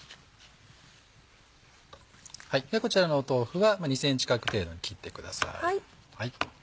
こちらの豆腐は２ｃｍ角程度に切ってください。